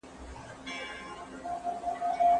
انا ماشوم ته په توندو سترگو وکتل.